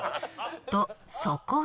とそこへ